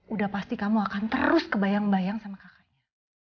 udah pasti kamu akan terus kebayang bayang sama kakaknya